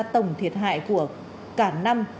tổng thiệt hại của cả năm